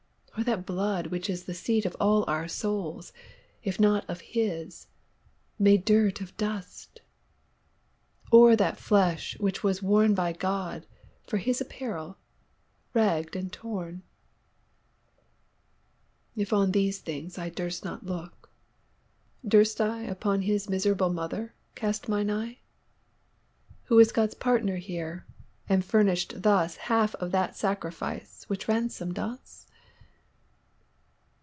or that blood which isThe seat of all our Soules, if not of his, Made durt of dust, or that flesh which was worneBy God, for his apparell, rag'd, and torne? If on these things I durst not looke, durst IUpon his miserable mother cast mine eye, Who was Gods partner here, and furnish'd thusHalfe of that Sacrifice, which ransom'd us?